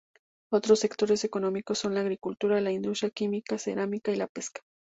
Otros sectores económicos son la agricultura, la industria química, cerámica, y la pesca.